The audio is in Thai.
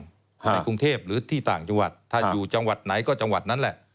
ในกรุงเทพหรือที่ต่างจังหวัดถ้าอยู่จังหวัดไหนก็จังหวัดนั้นแหละ